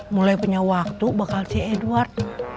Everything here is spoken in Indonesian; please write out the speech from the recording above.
mulai punya waktu bakal si edward